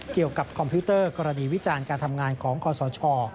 เกี่ยวกับคอมพิวเตอร์กรณีวิจารณ์การทำงานของคสช